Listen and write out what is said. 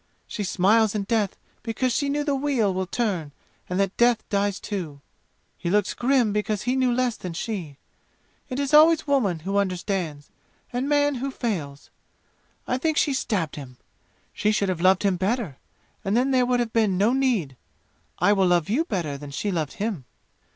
She smiles in death because she knew the wheel will turn and that death dies too! He looks grim because he knew less than she. It is always woman who understands and man who fails! I think she stabbed him. She should have loved him better, and then there would have been no need. I will love you better than she loved him!"